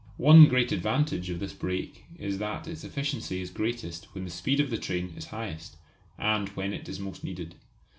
One great advantage of this brake is that its efficiency is greatest when the speed of the train is highest and when it is most needed.